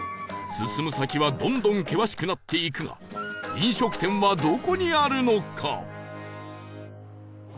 進む先はどんどん険しくなっていくが飲食店はどこにあるのか？